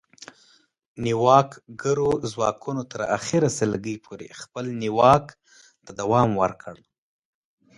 نیواکګرو ځواکونو تر اخري سلګۍ پورې خپل نیواک ته دوام ورکړ